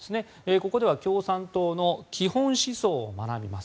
ここでは共産党の基本思想を学びます。